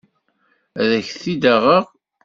Ad ak-t-id-aɣeɣ.